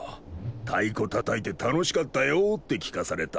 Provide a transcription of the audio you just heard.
太鼓たたいて楽しかったよって聞かされた。